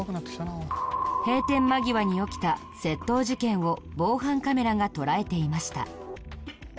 閉店間際に起きた窃盗事件を防犯カメラが捉えていました。